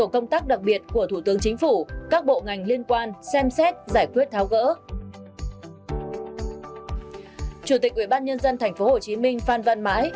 chủ tịch ubnd tp hcm phan văn mãi